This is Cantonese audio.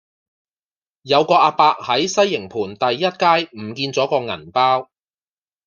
有個亞伯喺西營盤第一街唔見左個銀包